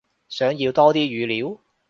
想要多啲語料？